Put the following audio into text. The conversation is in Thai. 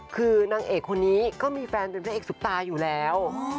คือนางเอกคนนี้ก็มีแฟนเป็นพระเอกซุปตาอยู่แล้ว